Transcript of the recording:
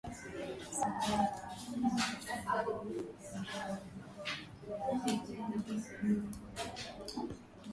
Sinai hakuwa anawapa Amri mpya ambazo walikuwa hawazifahamu kabla ya hapo bali alikuwa akiwakumbushia